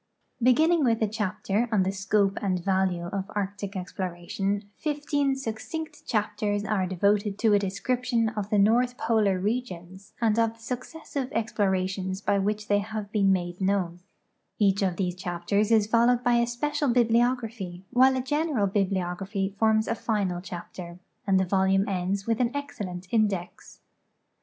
Beginning with a chajder on the scope and value of arctic ex ploration, fifteen succinct chaptei's are devoted to a description of the north polar regions and of the successive explorations by which they have been made known ; each of these chapters is followed by a special bibliography, while a general bibliography forms a final chapter, and the volume ends with an excellent index.